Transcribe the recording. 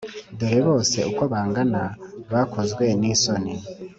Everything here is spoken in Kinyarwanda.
dore bose uko bangana, bakozwe n’isoni,